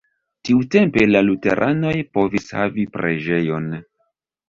Tiutempe la luteranoj povis havi preĝejon.